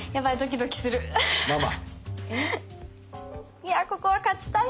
いやここは勝ちたいな。